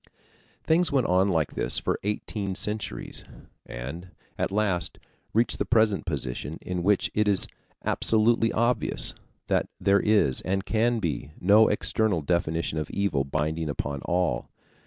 Things went on like this for eighteen centuries, and at last reached the present position in which it is absolutely obvious that there is, and can be, no external definition of evil binding upon all.